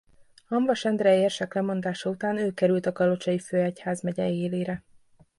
Hamvas Endre érsek lemondása után ő került a Kalocsai főegyházmegye élére.